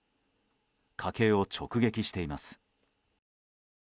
家計を直撃しています。